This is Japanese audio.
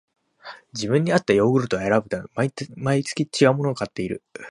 自分にあったヨーグルトを選ぶため、毎月ちがうものを買っている